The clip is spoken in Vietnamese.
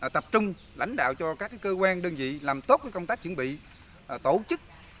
tập trung lãnh đạo cho các cơ quan đơn vị làm tốt công tác chuẩn bị tổ chức